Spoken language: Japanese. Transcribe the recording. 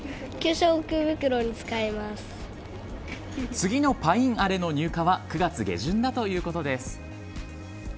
次のパインアレの入荷は９月下旬だということです。